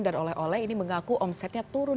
dan oleh oleh ini mengaku omsetnya turun